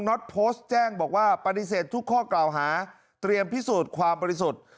็อตโพสต์แจ้งบอกว่าปฏิเสธทุกข้อกล่าวหาเตรียมพิสูจน์ความบริสุทธิ์